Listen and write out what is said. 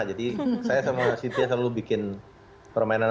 jadi saya sama cynthia selalu bikin permainan